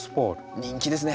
人気ですね。